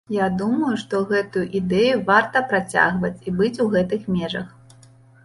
Я думаю, што гэтую ідэю варта працягваць і быць у гэтых межах.